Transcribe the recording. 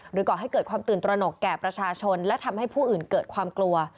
ก่อให้เกิดความตื่นตระหนกแก่ประชาชนและทำให้ผู้อื่นเกิดความกลัว